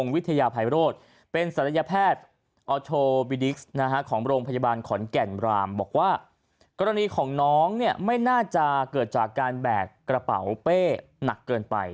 ว่ากรณีของน้องไม่ใช่เกิดจากแบกกระเป๋าเป้นักเกินไป